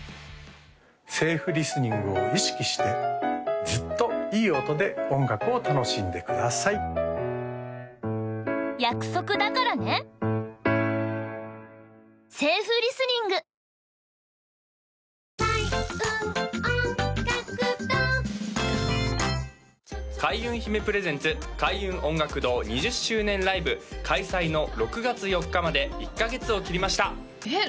セーフリスニングを意識してずっといい音で音楽を楽しんでください開運姫プレゼンツ開運音楽堂２０周年ライブ開催の６月４日まで１カ月を切りましたえっ？